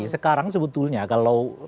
sekarang sebetulnya kalau